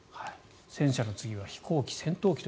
戦車の次は飛行機、戦闘機と。